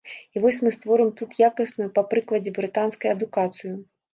І вось мы створым тут якасную, па прыкладзе брытанскай, адукацыю.